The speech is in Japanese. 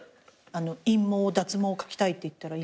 陰毛脱毛描きたいっていったら。